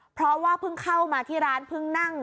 เพราะว่าเพิ่งเข้ามาที่ร้านเพิ่งนั่ง